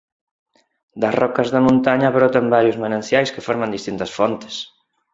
Das rocas da montaña brotan varios mananciais que forman distintas fontes.